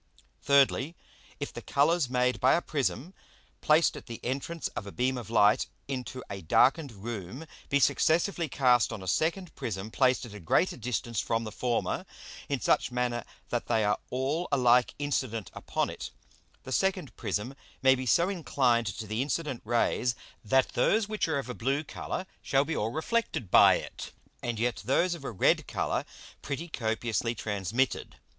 Thirdly, If the Colours made by a Prism placed at the entrance of a Beam of Light into a darken'd Room be successively cast on a second Prism placed at a greater distance from the former, in such manner that they are all alike incident upon it, the second Prism may be so inclined to the incident Rays, that those which are of a blue Colour shall be all reflected by it, and yet those of a red Colour pretty copiously transmitted.